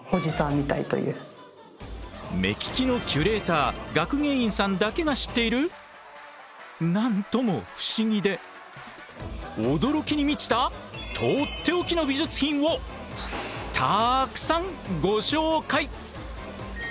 目利きのキュレーター学芸員さんだけが知っている何とも不思議で驚きに満ちたとっておきの美術品をたくさんご紹介。